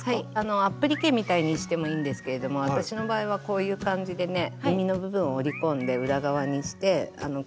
アップリケみたいにしてもいいんですけれども私の場合はこういう感じでねみみの部分を折り込んで裏側にしてかけてみたり。